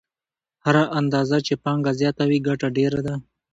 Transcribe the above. هره اندازه چې پانګه زیاته وي ګټه ډېره ده